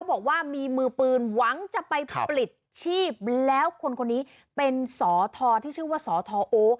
บอกว่ามีมือปืนหวังจะไปปลิดชีพแล้วคนคนนี้เป็นสอทอที่ชื่อว่าสทโอ